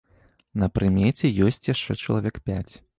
На прымеце ёсць яшчэ чалавек пяць.